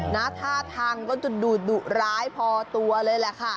หน้าท่าทางดุร้ายพอตัวเลยล่ะค่ะ